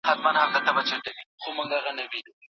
که انسان ځان له ټولني ګوښه کړي نو پردی به سي.